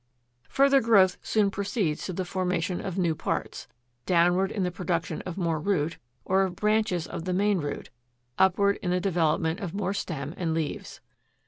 12. =Further Growth= soon proceeds to the formation of new parts, downward in the production of more root, or of branches of the main root, upward in the development of more stem and leaves.